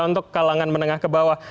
untuk kalangan menengah ke bawah